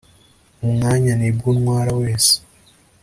umwanya, ni bwo untwara wese